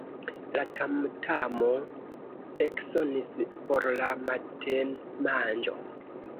La tamtamo eksonis por la matenmanĝo.